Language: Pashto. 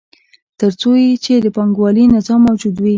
تر څو چې د پانګوالي نظام موجود وي